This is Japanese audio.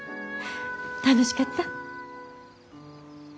楽しかった？